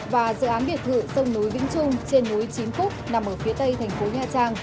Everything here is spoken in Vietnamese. và dự án biệt thự sông núi vĩnh trung trên núi chín cúc nằm ở phía tây thành phố nha trang